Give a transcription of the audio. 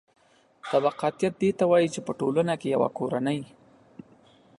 طبقاتیت دې ته وايي چې په ټولنه کې یوه کورنۍ